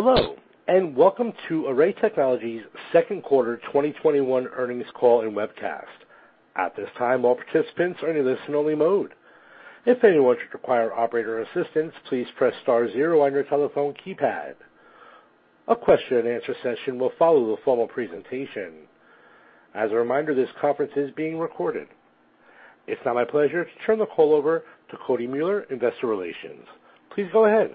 Hello, and welcome to Array Technologies' Q2 2021 earnings call and webcast. At this time, all participants are in listen-only mode. If anyone should require operator assistance, please press star zero on your telephone keypad. A question-and-answer session will follow the formal presentation. As a reminder, this conference is being recorded. It's now my pleasure to turn the call over to Cody Mueller, investor relations. Please go ahead.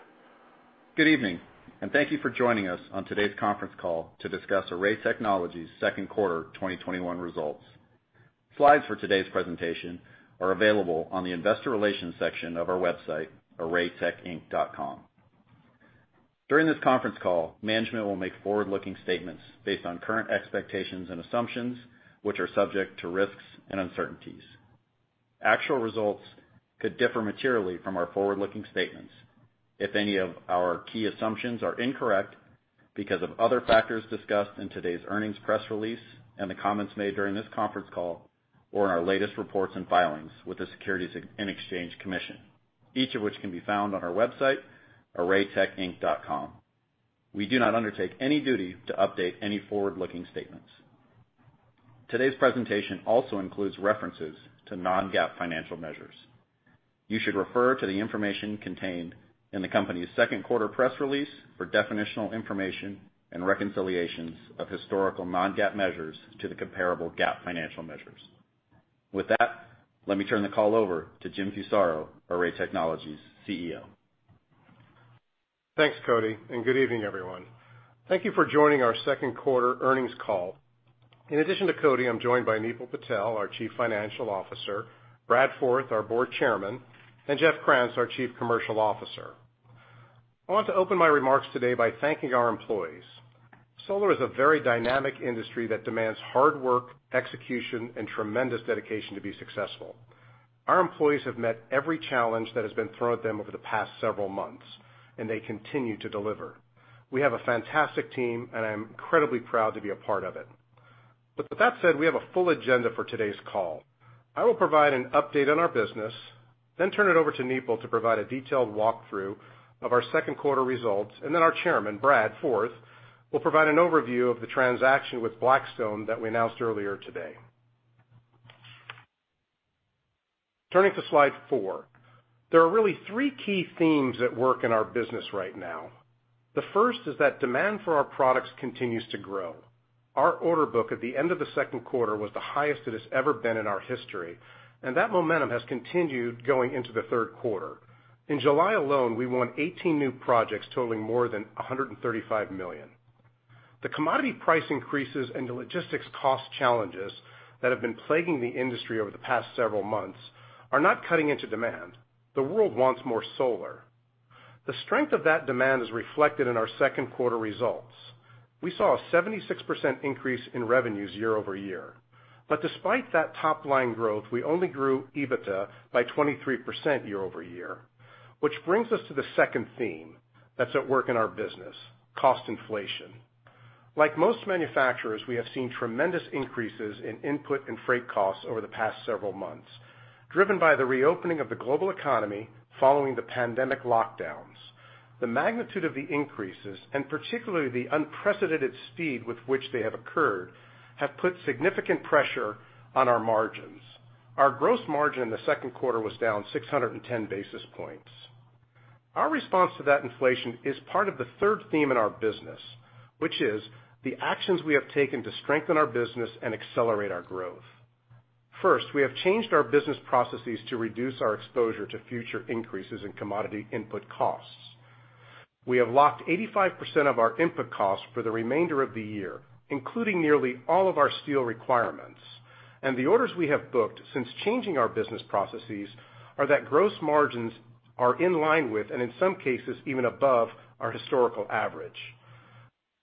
Good evening and thank you for joining us on today's conference call to discuss Array Technologies' Q2 2021 results. Slides for today's presentation are available on the investor relations section of our website, arraytechinc.com. During this conference call, management will make forward-looking statements based on current expectations and assumptions, which are subject to risks and uncertainties. Actual results could differ materially from our forward-looking statements if any of our key assumptions are incorrect because of other factors discussed in today's earnings press release and the comments made during this conference call or in our latest reports and filings with the Securities and Exchange Commission, each of which can be found on our website, arraytechinc.com. We do not undertake any duty to update any forward-looking statements. Today's presentation also includes references to non-GAAP financial measures. You should refer to the information contained in the company's Q2 press release for definitional information and reconciliations of historical non-GAAP measures to the comparable GAAP financial measures. With that, let me turn the call over to Jim Fusaro, Array Technologies' CEO. Thanks, Cody. Good evening, everyone. Thank you for joining our Q2 earnings call. In addition to Cody, I'm joined by Nipul Patel, our Chief Financial Officer, Brad Forth, our Board Chairman, and Jeff Krantz, our Chief Commercial Officer. I want to open my remarks today by thanking our employees. Solar is a very dynamic industry that demands hard work, execution, and tremendous dedication to be successful. Our employees have met every challenge that has been thrown at them over the past several months, and they continue to deliver. We have a fantastic team, and I am incredibly proud to be a part of it. With that said, we have a full agenda for today's call. I will provide an update on our business, then turn it over to Nipul to provide a detailed walkthrough of our Q2 results, and then our Chairman, Brad Forth, will provide an overview of the transaction with Blackstone that we announced earlier today. Turning to slide four. There are really three key themes at work in our business right now. The first is that demand for our products continues to grow. Our order book at the end of the Q2 was the highest it has ever been in our history, and that momentum has continued going into the third quarter. In July alone, we won 18 new projects totaling more than $135 million. The commodity price increases and the logistics cost challenges that have been plaguing the industry over the past several months are not cutting into demand. The world wants more solar. The strength of that demand is reflected in our Q2 results. We saw a 76% increase in revenues year-over-year. Despite that top-line growth, we only grew EBITDA by 23% year-over-year, which brings us to the second theme that's at work in our business, cost inflation. Like most manufacturers, we have seen tremendous increases in input and freight costs over the past several months, driven by the reopening of the global economy following the pandemic lockdowns. The magnitude of the increases, and particularly the unprecedented speed with which they have occurred, have put significant pressure on our margins. Our gross margin in the Q2 was down 610-basis points. Our response to that inflation is part of the third theme in our business, which is the actions we have taken to strengthen our business and accelerate our growth. First, we have changed our business processes to reduce our exposure to future increases in commodity input costs. We have locked 85% of our input costs for the remainder of the year, including nearly all of our steel requirements, and the orders we have booked since changing our business processes are that gross margins are in line with, and in some cases, even above our historical average.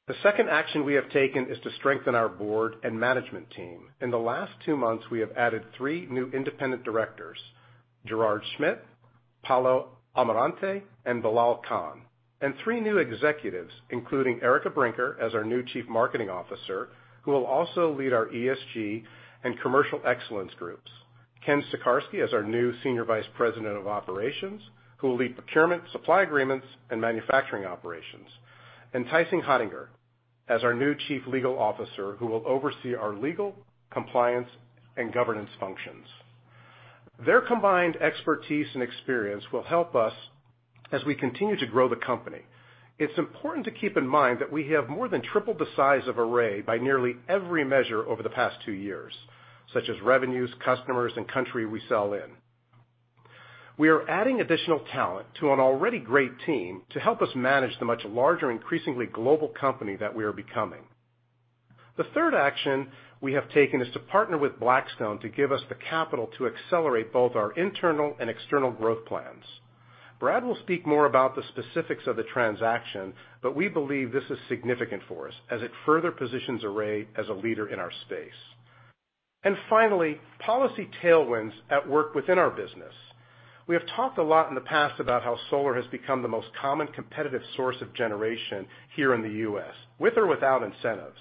The second action we have taken is to strengthen our board and management team. In the last two months, we have added three new independent directors, Gerrard Schmid, Paulo Almirante, and Bilal Khan, and three new executives, including Erica Brinker as our new Chief Marketing Officer, who will also lead our ESG and commercial excellence groups. Ken Stacherski as our new Senior Vice President of Operations, who will lead procurement, supply agreements, and manufacturing operations. Tyson Hottinger as our new Chief Legal Officer, who will oversee our legal, compliance, and governance functions. Their combined expertise and experience will help us as we continue to grow the company. It's important to keep in mind that we have more than tripled the size of Array by nearly every measure over the past two years, such as revenues, customers, and country we sell in. We are adding additional talent to an already great team to help us manage the much larger, increasingly global company that we are becoming. The third action we have taken is to partner with Blackstone to give us the capital to accelerate both our internal and external growth plans. Brad will speak more about the specifics of the transaction, but we believe this is significant for us as it further positions Array as a leader in our space. Finally, policy tailwinds at work within our business. We have talked a lot in the past about how solar has become the most common competitive source of generation here in the U.S., with or without incentives.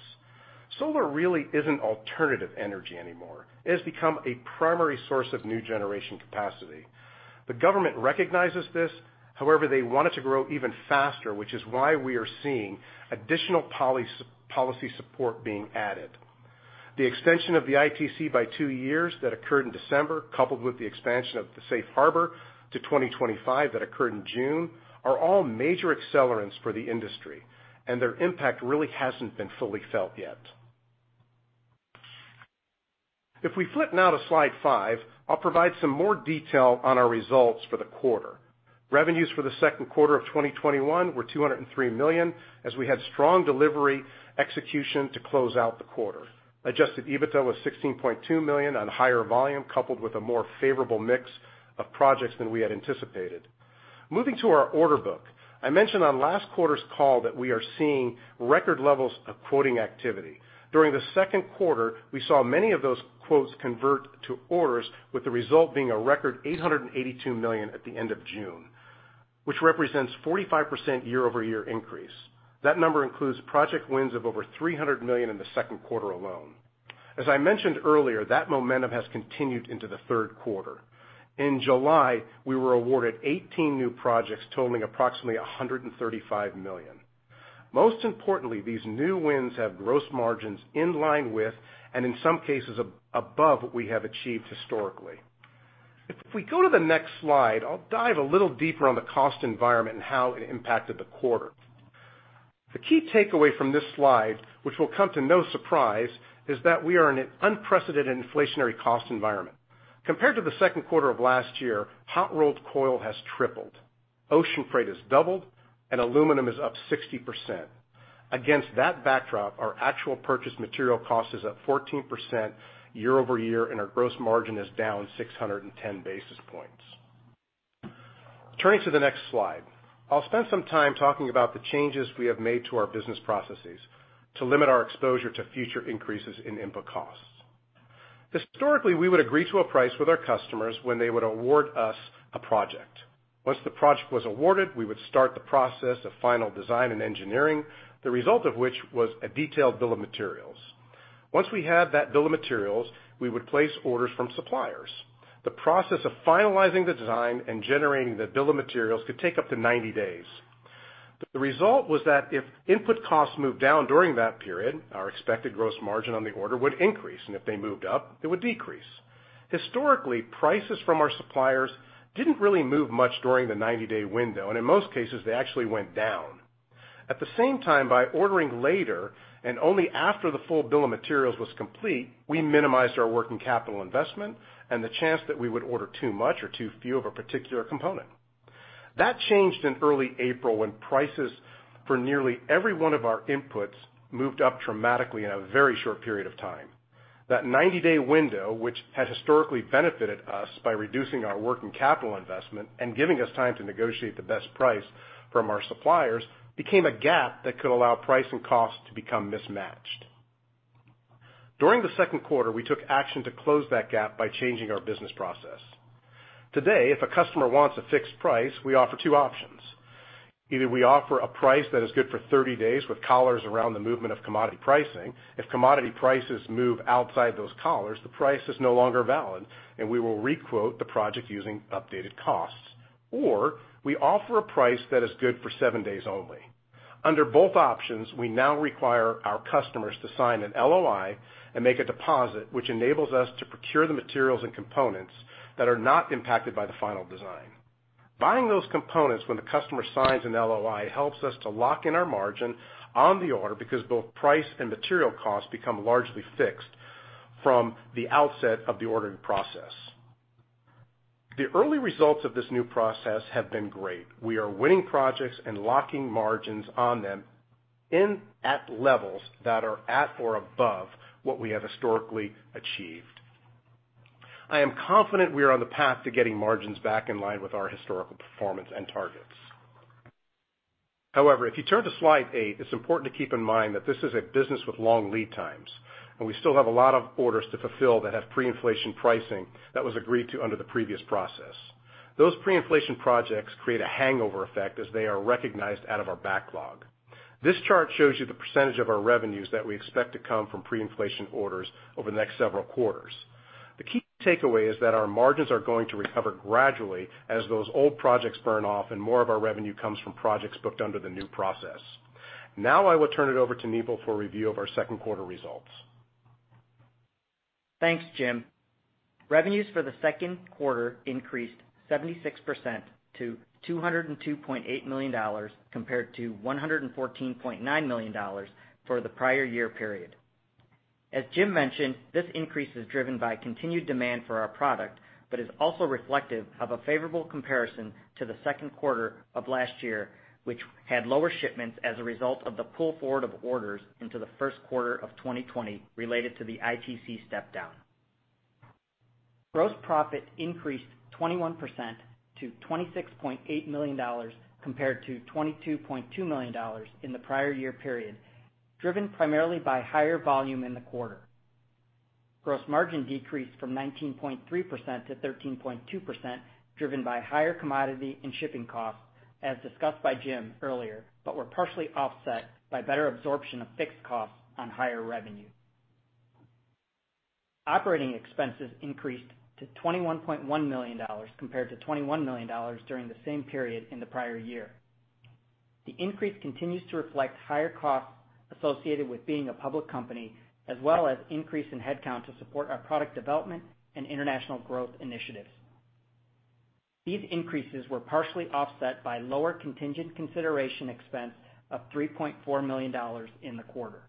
Solar really isn't alternative energy anymore. It has become a primary source of new generation capacity. The government recognizes this; however, they want it to grow even faster, which is why we are seeing additional policy support being added. The extension of the ITC by two years that occurred in December, coupled with the expansion of the safe harbor to 2025 that occurred in June, are all major accelerants for the industry, and their impact really hasn't been fully felt yet. If we flip now to slide five, I'll provide some more detail on our results for the quarter. Revenues for the Q2 of 2021 were $203 million, as we had strong delivery execution to close out the quarter. Adjusted EBITDA was $16.2 million on higher volume, coupled with a more favorable mix of projects than we had anticipated. Moving to our order book. I mentioned on last quarter's call that we are seeing record levels of quoting activity. During the Q2, we saw many of those quotes convert to orders, with the result being a record $882 million at the end of June, which represents 45% year-over-year increase. That number includes project wins of over $300 million in the Q2 alone. As I mentioned earlier that momentum has continued into the Q3. In July, we were awarded 18 new projects totaling approximately $135 million. Most importantly, these new wins have gross margins in line with, and in some cases, above what we have achieved historically. If we go to the next slide, I'll dive a little deeper on the cost environment and how it impacted the quarter. The key takeaway from this slide, which will come to no surprise, is that we are in an unprecedented inflationary cost environment. Compared to the Q2 of last year, hot-rolled coil has tripled, ocean freight has doubled, and aluminum is up 60%. Against that backdrop, our actual purchase material cost is up 14% year-over-year, and our gross margin is down 610-basis points. Turning to the next slide. I'll spend some time talking about the changes we have made to our business processes to limit our exposure to future increases in input costs. Historically, we would agree to a price with our customers when they would award us a project. Once the project was awarded, we would start the process of final design and engineering, the result of which was a detailed bill of materials. Once we had that bill of materials, we would place orders from suppliers. The process of finalizing the design and generating the bill of materials could take up to 90 days. The result was that if input costs moved down during that period, our expected gross margin on the order would increase, and if they moved up, it would decrease. Historically, prices from our suppliers didn't really move much during the 90-day window, and in most cases, they actually went down. At the same time, by ordering later and only after the full bill of materials was complete, we minimized our working capital investment and the chance that we would order too much or too few of a particular component. That changed in early April when prices for nearly every one of our inputs moved up dramatically in a very short period of time. That 90-day window, which had historically benefited us by reducing our working capital investment and giving us time to negotiate the best price from our suppliers, became a gap that could allow price and cost to become mismatched. During the Q2, we took action to close that gap by changing our business process. Today, if a customer wants a fixed price, we offer two options. Either we offer a price that is good for 30 days with collars around the movement of commodity pricing. If commodity prices move outside those collars, the price is no longer valid, and we will re-quote the project using updated costs. We offer a price that is good for seven days only. Under both options, we now require our customers to sign an LOI and make a deposit, which enables us to procure the materials and components that are not impacted by the final design. Buying those components when the customer signs an LOI helps us to lock in our margin on the order because both price and material costs become largely fixed from the outset of the ordering process. The early results of this new process have been great. We are winning projects and locking margins on them in at levels that are at or above what we have historically achieved. I am confident we are on the path to getting margins back in line with our historical performance and targets. However, if you turn to slide eight, it's important to keep in mind that this is a business with long lead times, and we still have a lot of orders to fulfill that have pre-inflation pricing that was agreed to under the previous process. Those pre-inflation projects create a hangover effect as they are recognized out of our backlog. This chart shows you the percentage of our revenues that we expect to come from pre-inflation orders over the next several quarters. The key takeaway is that our margins are going to recover gradually as those old projects burn off and more of our revenue comes from projects booked under the new process. I will turn it over to Nipul for a review of our Q2 results. Thanks, Jim. Revenues for the Q2 increased 76% to $202.8 million compared to $114.9 million for the prior year period. As Jim mentioned, this increase is driven by continued demand for our product but is also reflective of a favorable comparison to the Q2 of last year, which had lower shipments as a result of the pull forward of orders into the Q1 of 2020 related to the ITC step down. Gross profit increased 21% to $26.8 million compared to $22.2 million in the prior year period, driven primarily by higher volume in the quarter. Gross margin decreased from 19.3%-13.2%, driven by higher commodity and shipping costs, as discussed by Jim earlier, but were partially offset by better absorption of fixed costs on higher revenue. Operating expenses increased to $21.1 million compared to $21 million during the same period in the prior year. The increase continues to reflect higher costs associated with being a public company, as well as increase in headcount to support our product development and international growth initiatives. These increases were partially offset by lower contingent consideration expense of $3.4 million in the quarter.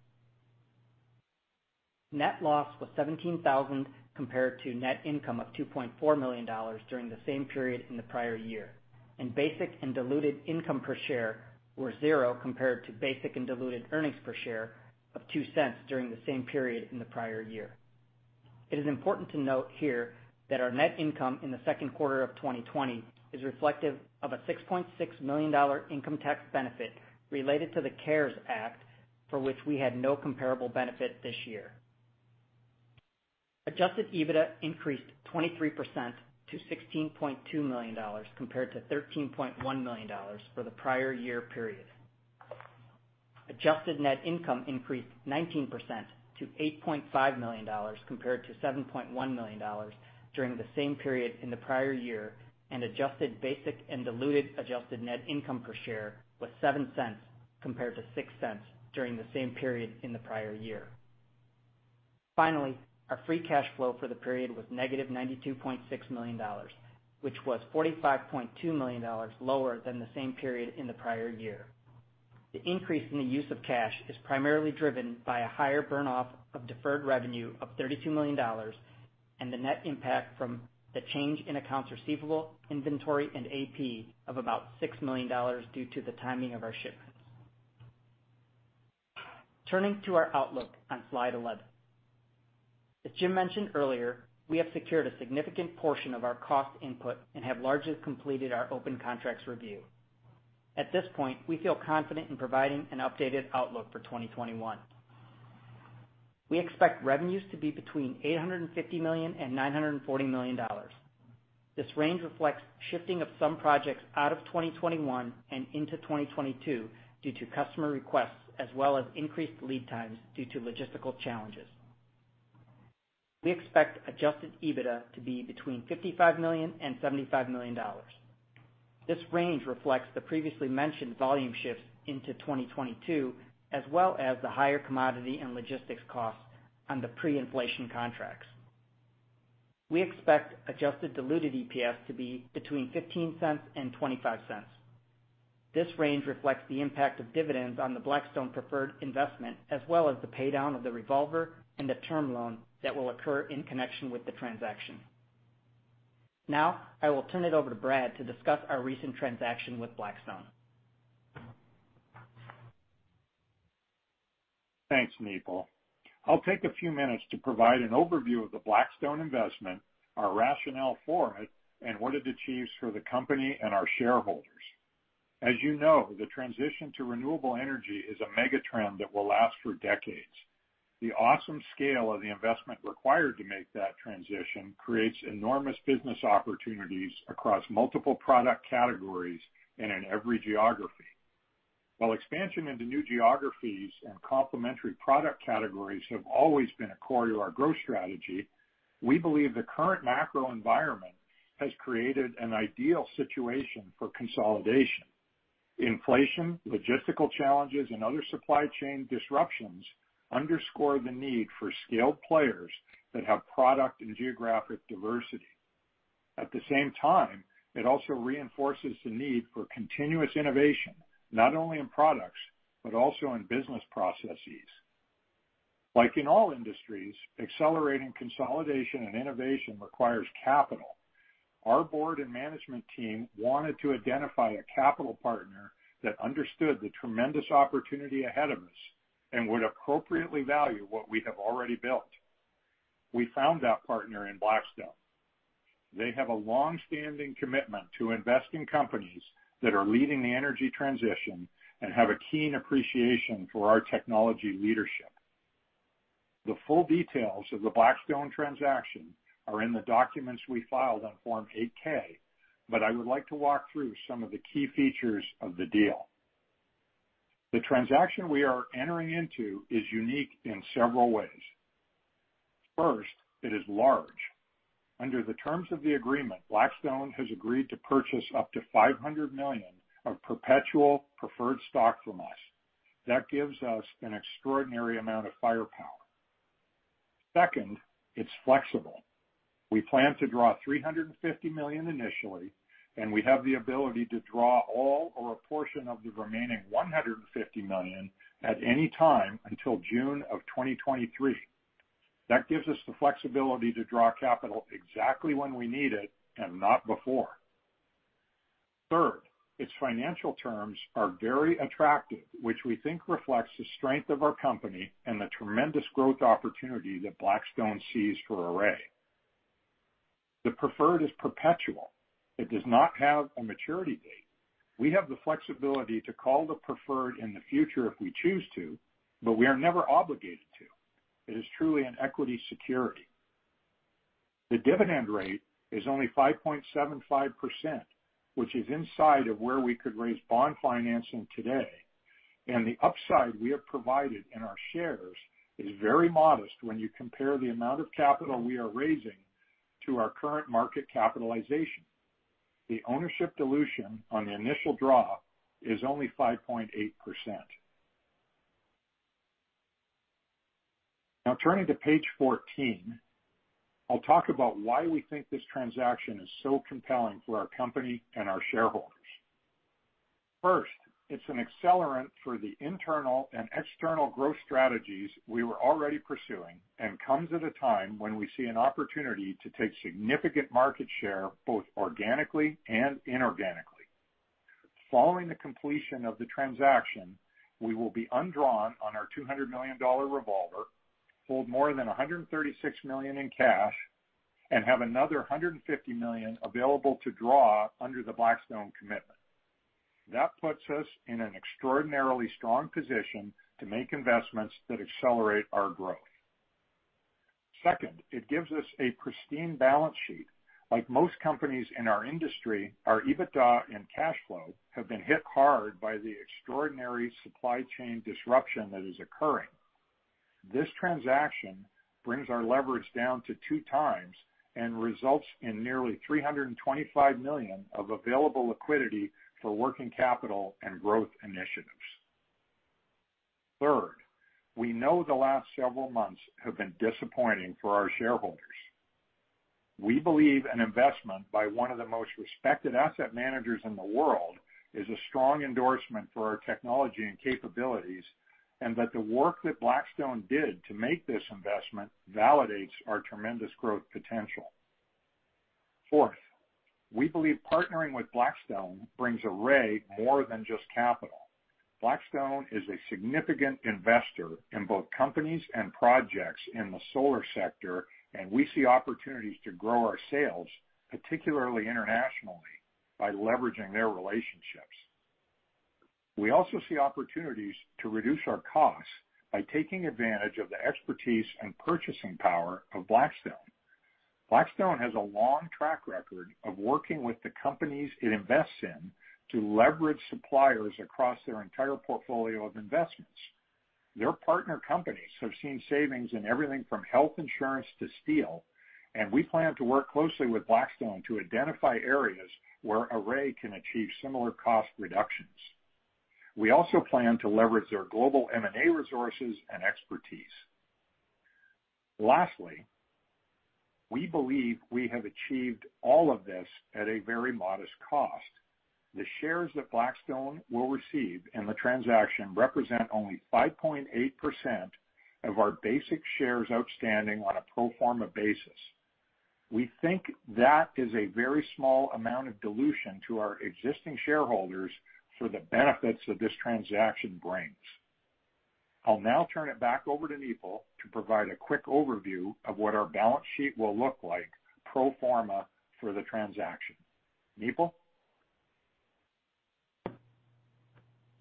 Net loss was $17,000 compared to net income of $2.4 million during the same period in the prior year, and basic and diluted income per share were zero compared to basic and diluted earnings per share of $0.02 during the same period in the prior year. It is important to note here that our net income in the Q2` of 2020 is reflective of a $6.6 million income tax benefit related to the CARES Act, for which we had no comparable benefit this year. Adjusted EBITDA increased 23% to $16.2 million, compared to $13.1 million for the prior year period. Adjusted net income increased 19% to $8.5 million compared to $7.1 million during the same period in the prior year, and adjusted basic and diluted adjusted net income per share was $0.07 compared to $0.06 during the same period in the prior year. Our free cash flow for the period was negative $92.6 million, which was $45.2 million lower than the same period in the prior year. The increase in the use of cash is primarily driven by a higher burn-off of deferred revenue of $32 million and the net impact from the change in accounts receivable, inventory, and AP of about $6 million due to the timing of our shipments. Turning to our outlook on Slide 11. As Jim mentioned earlier, we have secured a significant portion of our cost input and have largely completed our open contracts review. At this point, we feel confident in providing an updated outlook for 2021. We expect revenues to be between $850 million and $940 million. This range reflects shifting of some projects out of 2021 and into 2022 due to customer requests, as well as increased lead times due to logistical challenges. We expect adjusted EBITDA to be between $55 million and $75 million. This range reflects the previously mentioned volume shifts into 2022, as well as the higher commodity and logistics costs on the pre-inflation contracts. We expect adjusted diluted EPS to be between $0.15 and $0.25. This range reflects the impact of dividends on the Blackstone preferred investment, as well as the paydown of the revolver and the term loan that will occur in connection with the transaction. I will turn it over to Brad to discuss our recent transaction with Blackstone. Thanks, Nipul. I'll take a few minutes to provide an overview of the Blackstone investment, our rationale for it, and what it achieves for the company and our shareholders. As you know, the transition to renewable energy is a mega-trend that will last for decades. The awesome scale of the investment required to make that transition creates enormous business opportunities across multiple product categories and in every geography. While expansion into new geographies and complementary product categories have always been a core to our growth strategy, we believe the current macro environment has created an ideal situation for consolidation. Inflation, logistical challenges, and other supply chain disruptions underscore the need for scaled players that have product and geographic diversity. At the same time, it also reinforces the need for continuous innovation, not only in products, but also in business processes. Like in all industries, accelerating consolidation and innovation requires capital. Our board and management team wanted to identify a capital partner that understood the tremendous opportunity ahead of us and would appropriately value what we have already built. We found that partner in Blackstone. They have a long-standing commitment to investing in companies that are leading the energy transition and have a keen appreciation for our technology leadership. The full details of the Blackstone transaction are in the documents we filed on Form 8-K. I would like to walk through some of the key features of the deal. The transaction we are entering into is unique in several ways. First, it is large. Under the terms of the agreement, Blackstone has agreed to purchase up to $500 million of perpetual preferred stock from us. That gives us an extraordinary amount of firepower. Second, it's flexible. We plan to draw $350 million initially, and we have the ability to draw all or a portion of the remaining $150 million at any time until June of 2023. That gives us the flexibility to draw capital exactly when we need it and not before. Third, its financial terms are very attractive, which we think reflects the strength of our company and the tremendous growth opportunity that Blackstone sees for Array. The preferred is perpetual. It does not have a maturity date. We have the flexibility to call the preferred in the future if we choose to, but we are never obligated to. It is truly an equity security. The dividend rate is only 5.75%, which is inside of where we could raise bond financing today, and the upside we are provided in our shares is very modest when you compare the amount of capital we are raising to our current market capitalization. The ownership dilution on the initial draw is only 5.8%. Now, turning to page 14, I'll talk about why we think this transaction is so compelling for our company and our shareholders. First, it's an accelerant for the internal and external growth strategies we were already pursuing and comes at a time when we see an opportunity to take significant market share, both organically and inorganically. Following the completion of the transaction, we will be undrawn on our $200 million revolver, hold more than $136 million in cash, and have another $150 million available to draw under the Blackstone commitment. That puts us in an extraordinarily strong position to make investments that accelerate our growth. Second, it gives us a pristine balance sheet. Like most companies in our industry, our EBITDA and cash flow have been hit hard by the extraordinary supply chain disruption that is occurring. This transaction brings our leverage down to two times and results in nearly $325 million of available liquidity for working capital and growth initiatives. Third, we know the last several months have been disappointing for our shareholders. We believe an investment by one of the most respected asset managers in the world is a strong endorsement for our technology and capabilities, and that the work that Blackstone did to make this investment validates our tremendous growth potential. Fourth, we believe partnering with Blackstone brings Array more than just capital. Blackstone is a significant investor in both companies and projects in the solar sector, and we see opportunities to grow our sales, particularly internationally, by leveraging their relationships. We also see opportunities to reduce our costs by taking advantage of the expertise and purchasing power of Blackstone. Blackstone has a long track record of working with the companies it invests in to leverage suppliers across their entire portfolio of investments. Their partner companies have seen savings in everything from health insurance to steel, and we plan to work closely with Blackstone to identify areas where Array can achieve similar cost reductions. We also plan to leverage their global M&A resources and expertise. Lastly, we believe we have achieved all of this at a very modest cost. The shares that Blackstone will receive in the transaction represent only 5.8% of our basic shares outstanding on a pro forma basis. We think that is a very small amount of dilution to our existing shareholders for the benefits that this transaction brings. I'll now turn it back over to Nipul to provide a quick overview of what our balance sheet will look like pro forma for the transaction. Nipul?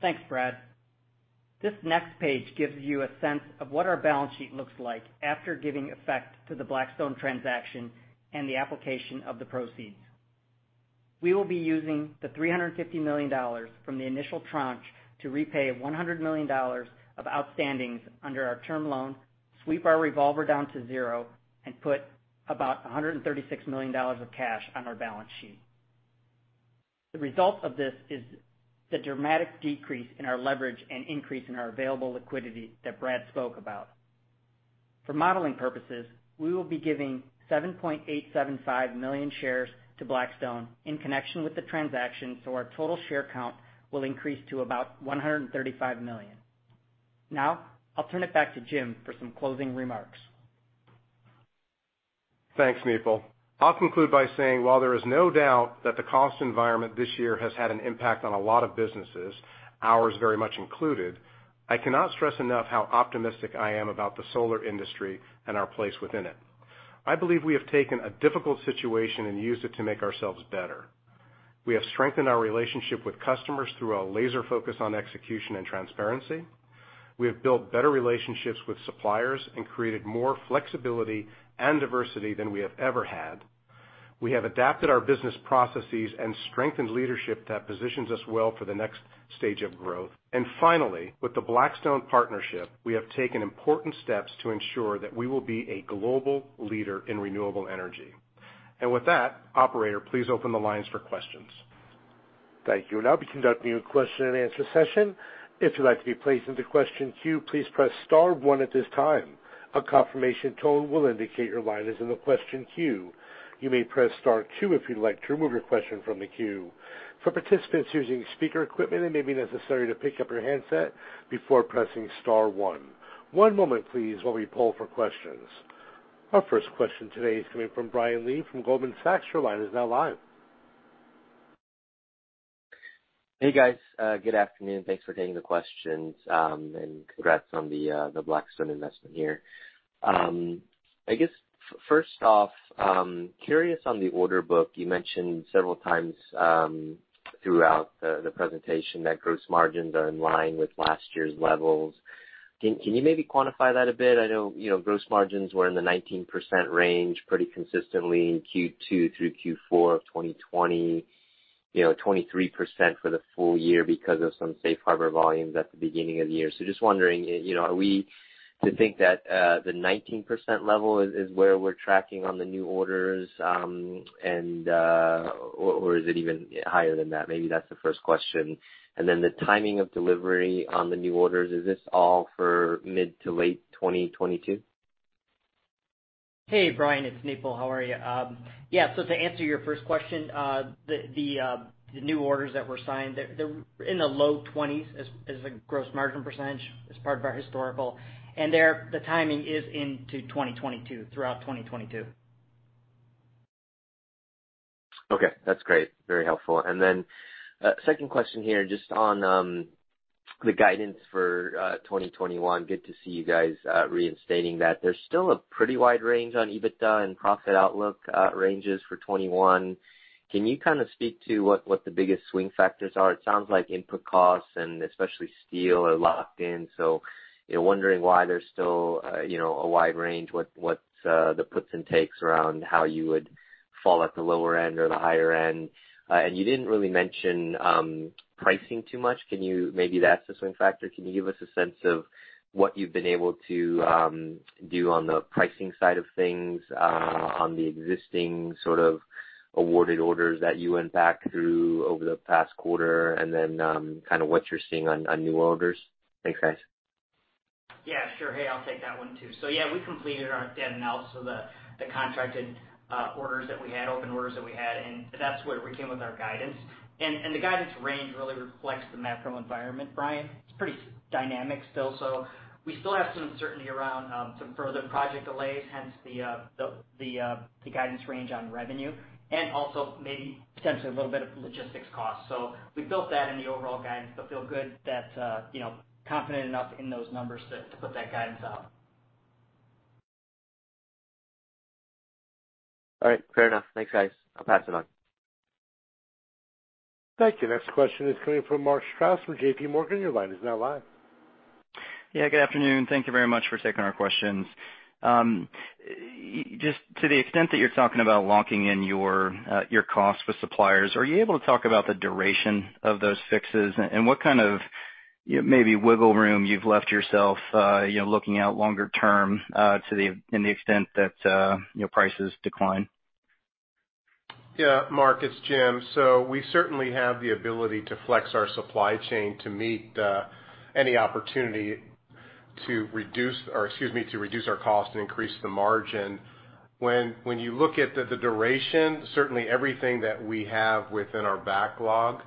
Thanks, Brad. This next page gives you a sense of what our balance sheet looks like after giving effect to the Blackstone transaction and the application of the proceeds. We will be using the $350 million from the initial tranche to repay $100 million of outstandings under our term loan, sweep our revolver down to zero, and put about $136 million of cash on our balance sheet. The result of this is the dramatic decrease in our leverage and increase in our available liquidity that Brad spoke about. For modeling purposes, we will be giving 7.875 million shares to Blackstone in connection with the transaction, so our total share count will increase to about 135 million. Now, I'll turn it back to Jim for some closing remarks. Thanks, Nipul. I'll conclude by saying, while there is no doubt that the cost environment this year has had an impact on a lot of businesses, ours very much included, I cannot stress enough how optimistic I am about the solar industry and our place within it. I believe we have taken a difficult situation and used it to make ourselves better. We have strengthened our relationship with customers through a laser focus on execution and transparency. We have built better relationships with suppliers and created more flexibility and diversity than we have ever had. We have adapted our business processes and strengthened leadership that positions us well for the next stage of growth. Finally, with the Blackstone partnership, we have taken important steps to ensure that we will be a global leader in renewable energy. With that, operator, please open the lines for questions. Thank you. We'll now be conducting a question-and-answer session. One moment please while we poll for questions. Our first question today is coming from Brian Lee from Goldman Sachs. Your line is now live. Hey guys, good afternoon. Thanks for taking the questions. Congrats on the Blackstone investment here. I guess, first off, curious on the order book. You mentioned several times throughout the presentation that gross margins are in line with last year's levels. Can you maybe quantify that a bit? I know gross margins were in the 19% range pretty consistently in Q2 through Q4 of 2020, 23% for the full year because of some safe harbor volumes at the beginning of the year. Just wondering, are we to think that the 19% level is where we're tracking on the new orders, or is it even higher than that? Maybe that's the first question. The timing of delivery on the new orders, is this all for mid to late 2022? Hey, Brian, it's Nipul. How are you? Yeah, to answer your first question, the new orders that were signed, they're in the low 20s as a gross margin percentage as part of our historical. The timing is into 2022, throughout 2022. Okay, that's great. Very helpful. Second question here, just on the guidance for 2021. Good to see you guys reinstating that. There's still a pretty wide range on EBITDA and profit outlook ranges for '21. Can you kind of speak to what the biggest swing factors are? It sounds like input costs and especially steel are locked in, wondering why there's still a wide range. What's the puts and takes around how you would fall at the lower end or the higher end? You didn't really mention pricing too much. Maybe that's the swing factor. Can you give us a sense of what you've been able to do on the pricing side of things on the existing sort of awarded orders that you went back through over the past quarter, and then kind of what you're seeing on new orders? Thanks, guys. I'll take that one too. We completed our dead and outs, so the contracted orders that we had, open orders that we had, that's where we came with our guidance. The guidance range really reflects the macro environment, Brian. It's pretty dynamic still. We still have some uncertainty around some further project delays, hence the guidance range on revenue, and also maybe potentially a little bit of logistics cost. We built that in the overall guidance but confident enough in those numbers to put that guidance out. All right, fair enough. Thanks, guys. I'll pass it on. Thank you. Next question is coming from Mark Strouse from J.P. Morgan. Your line is now live. Good afternoon. Thank you very much for taking our questions. Just to the extent that you're talking about locking in your costs with suppliers, are you able to talk about the duration of those fixes and what kind of maybe wiggle room you've left yourself looking out longer term to the extent that prices decline? Yeah, Mark, it's Jim. We certainly have the ability to flex our supply chain to meet any opportunity to reduce our cost and increase the margin. When you look at the duration, certainly everything that we have within our backlog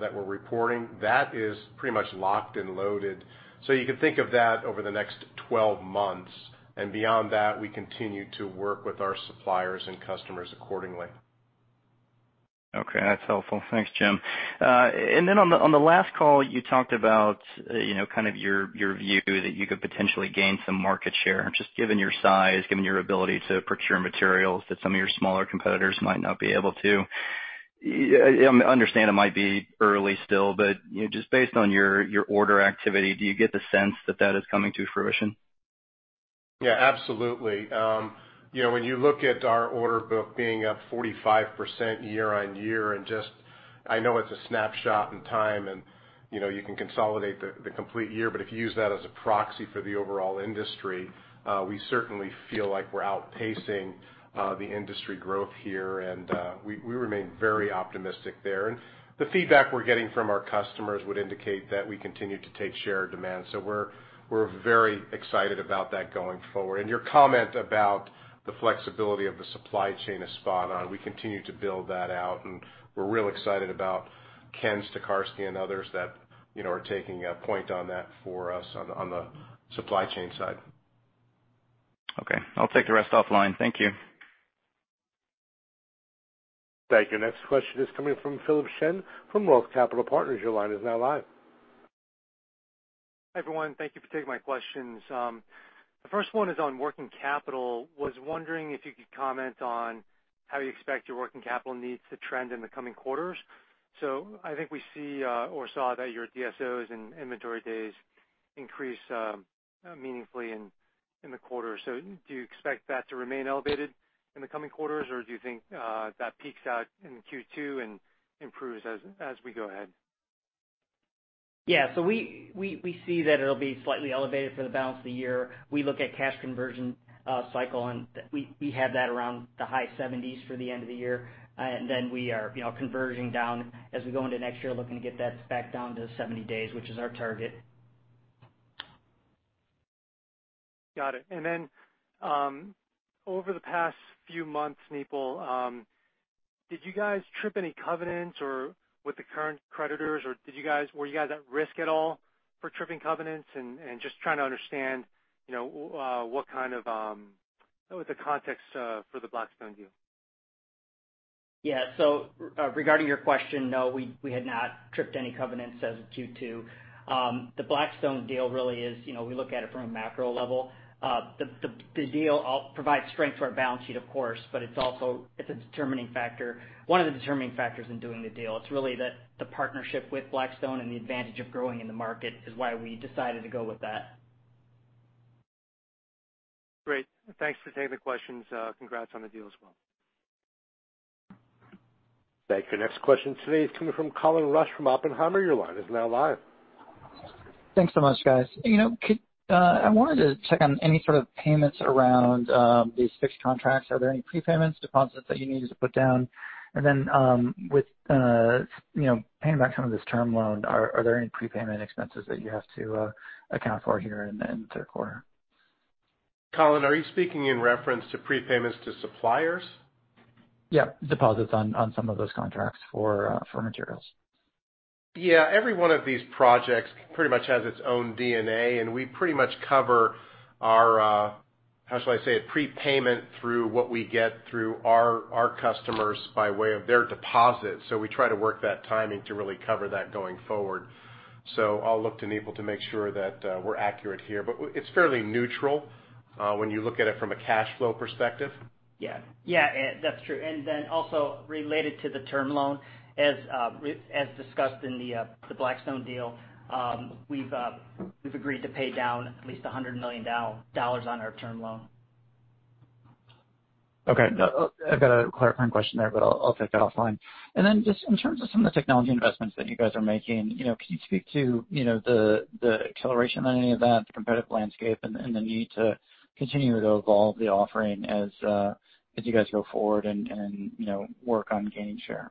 that we're reporting, that is pretty much locked and loaded. You can think of that over the next 12 months. Beyond that, we continue to work with our suppliers and customers accordingly. Okay, that's helpful. Thanks, Jim. On the last call, you talked about kind of your view that you could potentially gain some market share, just given your size, given your ability to procure materials that some of your smaller competitors might not be able to. I understand it might be early still, just based on your order activity, do you get the sense that that is coming to fruition? Yeah, absolutely. When you look at our order book being up 45% year-on-year and just, I know it's a snapshot in time and you can consolidate the complete year, but if you use that as a proxy for the overall industry, we certainly feel like we're outpacing the industry growth here, and we remain very optimistic there. The feedback we're getting from our customers would indicate that we continue to take share of demand. We're very excited about that going forward. Your comment about the flexibility of the supply chain is spot on. We continue to build that out, and we're real excited about Ken Stacherski and others that are taking a point on that for us on the supply chain side. Okay, I'll take the rest offline. Thank you. Thank you. Next question is coming from Philip Shen from Roth Capital Partners. Your line is now live. Hi, everyone. Thank you for taking my questions. The first one is on working capital. Was wondering if you could comment on how you expect your working capital needs to trend in the coming quarters? I think we see or saw that your DSOs and inventory days increase meaningfully in the quarter. Do you expect that to remain elevated in the coming quarters, or do you think that peaks out in Q2 and improves as we go ahead? We see that it'll be slightly elevated for the balance of the year. We look at cash conversion cycle, we have that around the high 70s for the end of the year. We are converting down as we go into next year, looking to get that back down to 70 days, which is our target. Got it. Then, over the past few months, Nipul, did you guys trip any covenants or with the current creditors, or were you guys at risk at all for tripping covenants? Just trying to understand the context for the Blackstone deal. Yeah. Regarding your question, no, we had not tripped any covenants as of Q2. The Blackstone deal, we look at it from a macro level. The deal provides strength to our balance sheet, of course, but it's a determining factor, one of the determining factors in doing the deal. It's really the partnership with Blackstone and the advantage of growing in the market is why we decided to go with that. Great. Thanks for taking the questions. Congrats on the deal as well. Thank you. Next question today is coming from Colin Rusch from Oppenheimer. Your line is now live. Thanks so much, guys. I wanted to check on any sort of payments around these fixed contracts. Are there any prepayments, deposits that you needed to put down? With paying back some of this term loan, are there any prepayment expenses that you have to account for here in the third quarter? Colin, are you speaking in reference to prepayments to suppliers? Yeah. Deposits on some of those contracts for materials. Yeah. Every one of these projects pretty much has its own DNA, and we pretty much cover our, how shall I say it, prepayment through what we get through our customers by way of their deposits. We try to work that timing to really cover that going forward. I'll look to Nipul to make sure that we're accurate here. It's fairly neutral, when you look at it from a cash flow perspective. Yeah. That's true. Also related to the term loan, as discussed in the Blackstone deal, we've agreed to pay down at least $100 million on our term loan. Okay. I've got a clarifying question there, but I'll take that offline. Just in terms of some of the technology investments that you guys are making, can you speak to the acceleration on any of that, the competitive landscape, and the need to continue to evolve the offering as you guys go forward and work on gaining share?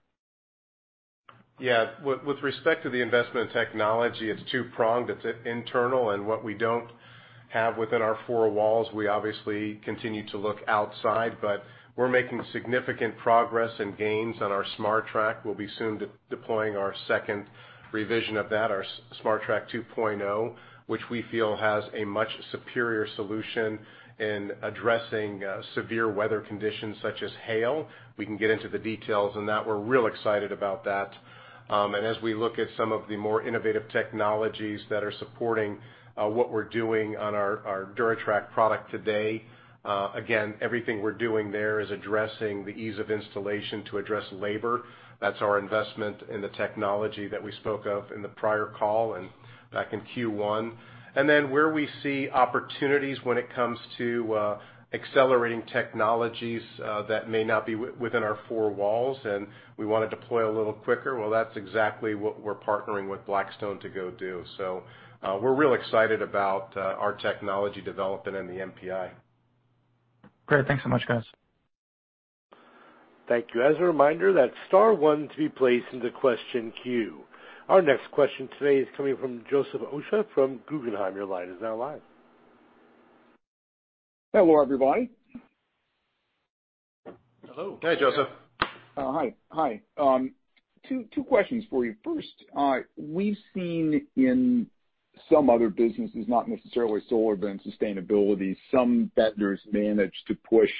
Yeah. With respect to the investment in technology, it's two-pronged. It's internal and what we don't have within our four walls, we obviously continue to look outside. We're making significant progress and gains on our SmarTrack. We'll be soon deploying our second revision of that, our SmarTrack 2.0, which we feel has a much superior solution in addressing severe weather conditions such as hail. We can get into the details on that. We're real excited about that. As we look at some of the more innovative technologies that are supporting what we're doing on our DuraTrack product today, again, everything we're doing there is addressing the ease of installation to address labor. That's our investment in the technology that we spoke of in the prior call and back in Q1. Where we see opportunities when it comes to accelerating technologies that may not be within our four walls, and we want to deploy a little quicker, well, that's exactly what we're partnering with Blackstone to go do. We're real excited about our technology development and the NPI. Great. Thanks so much, guys. Thank you. As a reminder, that's star one to be placed into question queue. Our next question today is coming from Joseph Osha from Guggenheim. Your line is now live. Hello, everybody. Hello. Hey, Joseph. Hi. Two questions for you. First, we've seen in some other businesses, not necessarily solar, but in sustainability, some vendors manage to push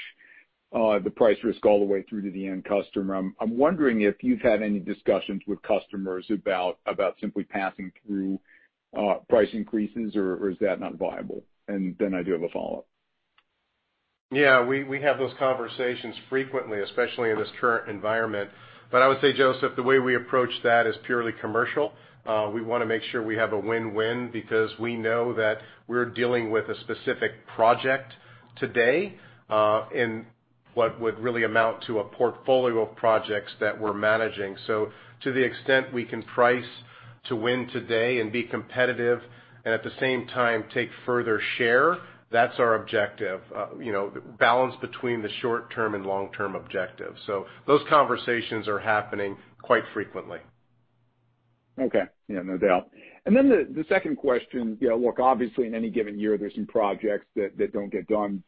the price risk all the way through to the end customer. I'm wondering if you've had any discussions with customers about simply passing through price increases or is that not viable? I do have a follow-up. Yeah. We have those conversations frequently, especially in this current environment. I would say, Joseph, the way we approach that is purely commercial. We want to make sure we have a win-win because we know that we're dealing with a specific project today, in what would really amount to a portfolio of projects that we're managing. To the extent we can price to win today and be competitive and at the same time take further share, that's our objective. Balance between the short-term and long-term objective. Those conversations are happening quite frequently. Okay. Yeah, no doubt. The second question. Look, obviously, in any given year, there's some projects that don't get done.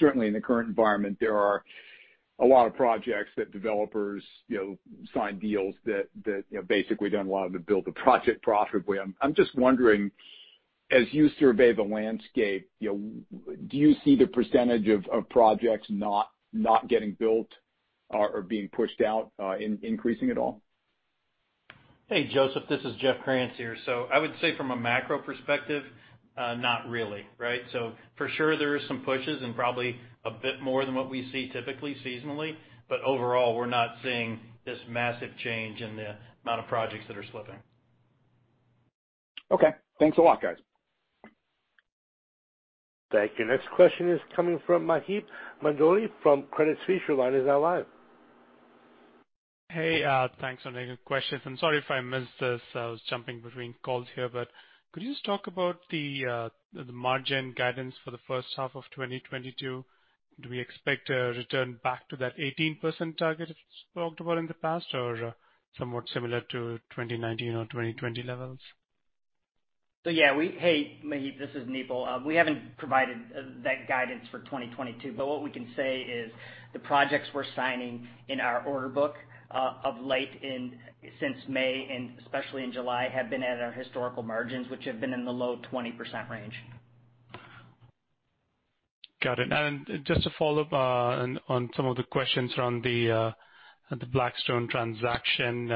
Certainly, in the current environment, there are a lot of projects that developers sign deals that basically don't allow them to build the project profitably. I'm just wondering, as you survey the landscape, do you see the percentage of projects not getting built or being pushed out increasing at all? Hey, Joseph. This is Jeff Krantz here. I would say from a macro perspective, not really, right? For sure, there is some pushes and probably a bit more than what we see typically seasonally, but overall, we're not seeing this massive change in the number of projects that are slipping. Okay. Thanks a lot, guys. Thank you. Next question is coming from Maheep Mandloi from Credit Suisse. Your line is now live. Hey. Thanks for taking the questions. I'm sorry if I missed this. I was jumping between calls here. Could you just talk about the margin guidance for the first half of 2022? Do we expect a return back to that 18% target that you spoke about in the past, or somewhat similar to 2019 or 2020 levels? Yeah. Hey, Maheep. This is Nipul. We haven't provided that guidance for 2022. What we can say is the projects we're signing in our order book of late since May and especially in July, have been at our historical margins, which have been in the low 20% range. Got it. Just to follow up on some of the questions around the Blackstone transaction.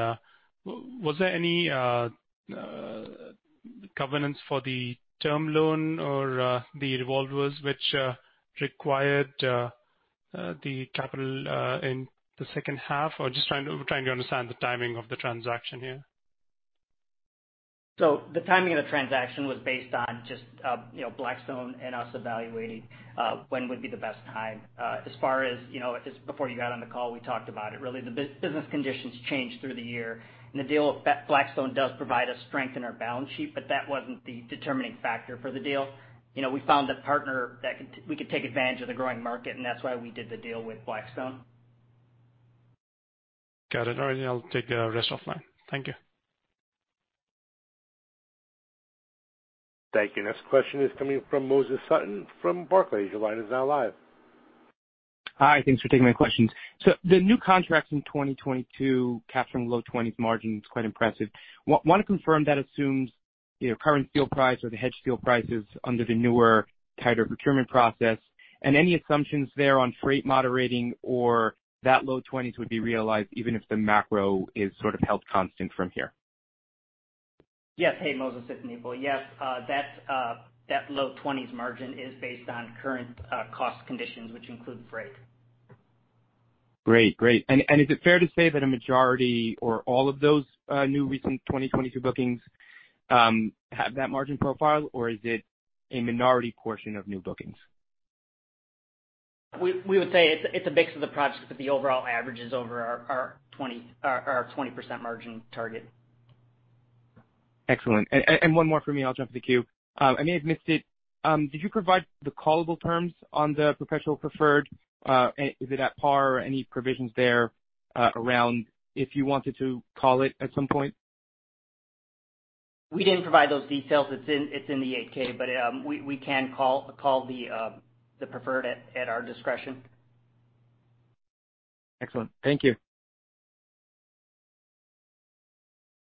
Was there any governance for the term loan or the revolvers which required the capital in the H2? I'm just trying to understand the timing of the transaction here. The timing of the transaction was based on just Blackstone and us evaluating when would be the best time. As far as, before you got on the call, we talked about it. Really, the business conditions changed through the year. The deal with Blackstone does provide us strength in our balance sheet, but that wasn't the determining factor for the deal. We found a partner that we could take advantage of the growing market, and that's why we did the deal with Blackstone. Got it. All right, I'll take the rest offline. Thank you. Thank you. Next question is coming from Moses Sutton from Barclays. Your line is now live. Hi. Thanks for taking my questions. The new contracts in 2022 capturing low 20s margin is quite impressive. Want to confirm that assumes current steel price or the hedged steel prices under the newer tighter procurement process, and any assumptions there on freight moderating or that low 20s would be realized even if the macro is sort of held constant from here. Yes. Hey, Moses. It's Nipul. Yes, that low 20s margin is based on current cost conditions, which include freight. Great. Is it fair to say that a majority or all of those new recent 2022 bookings have that margin profile, or is it a minority portion of new bookings? We would say it's a mix of the projects, but the overall average is over our 20% margin target. Excellent. One more from me, I'll jump to the queue. I may have missed it. Did you provide the callable terms on the perpetual preferred? Is it at par? Any provisions there around if you wanted to call it at some point? We didn't provide those details. It's in the 8-K. We can call the preferred at our discretion. Excellent. Thank you.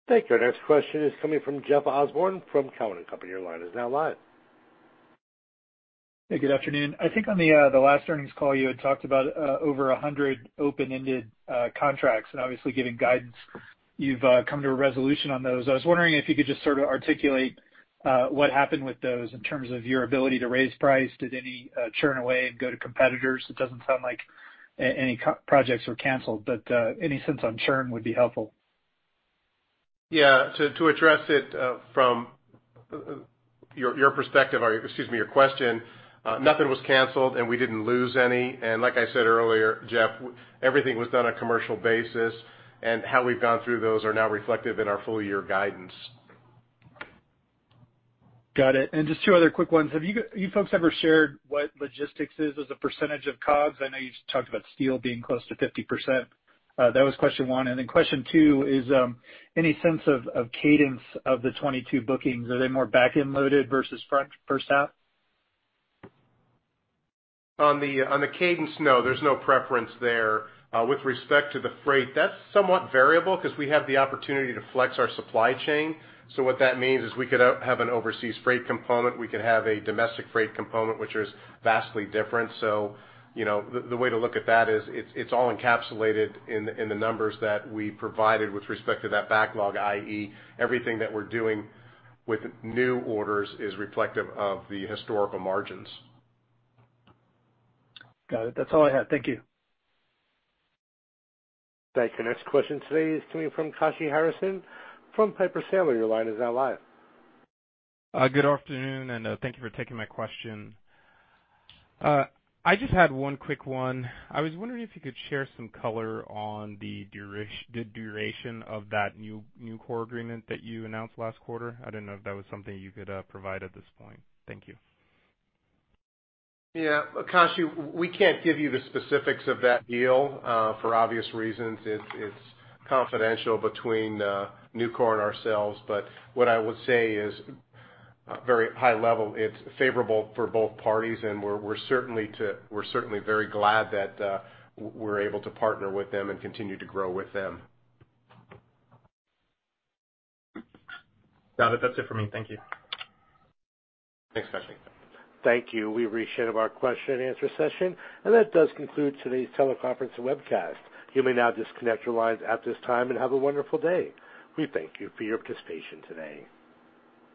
Thank you. Our next question is coming from Jeff Osborne from Cowen and Company. Your line is now live. Hey, good afternoon. I think on the last earnings call, you had talked about over 100 open-ended contracts, and obviously giving guidance, you've come to a resolution on those. I was wondering if you could just sort of articulate what happened with those in terms of your ability to raise price. Did any churn away and go to competitors? It doesn't sound like any projects were canceled, but any sense on churn would be helpful. Yeah. To address it from your perspective, or excuse me, your question, nothing was canceled, and we didn't lose any. Like I said earlier, Jeff, everything was done on a commercial basis, and how we've gone through those are now reflected in our full-year guidance. Got it. Just two other quick ones. Have you folks ever shared what logistics is as a percentage of COGS? I know you just talked about steel being close to 50%. That was question one. Question two is, any sense of cadence of the 2022 bookings? Are they more back-end loaded versus front first half? On the cadence, no, there's no preference there. With respect to the freight, that's somewhat variable because we have the opportunity to flex our supply chain. What that means is we could have an overseas freight component, we could have a domestic freight component, which is vastly different. The way to look at that is it's all encapsulated in the numbers that we provided with respect to that backlog, i.e., everything that we're doing with new orders is reflective of the historical margins. Got it. That's all I have. Thank you. Thank you. Next question today is coming from Kashy Harrison from Piper Sandler. Your line is now live. Good afternoon and thank you for taking my question. I just had one quick one. I was wondering if you could share some color on the duration of that Nucor agreement that you announced last quarter. I didn't know if that was something you could provide at this point. Thank you. Yeah. Kashy, we can't give you the specifics of that deal for obvious reasons. It's confidential between Nucor and ourselves. What I would say is very high level, it's favorable for both parties, and we're certainly very glad that we're able to partner with them and continue to grow with them. Got it. That's it for me. Thank you. Thanks, Kashy. Thank you. We've reached the end of our question-and-answer session, and that does conclude today's teleconference and webcast. You may now disconnect your lines at this time and have a wonderful day. We thank you for your participation today.